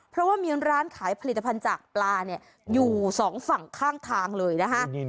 เพราะว่ามีร้านขายผลิตภัณฑ์จากปลาอยู่สองฝั่งข้างทางเลยนะคะ